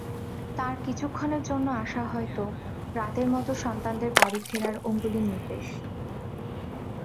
তার কিছুক্ষণের জন্য আসা হয়ত, রাতের মত সন্তানদের বাড়ি ফেরার অঙ্গুলিনির্দেশ।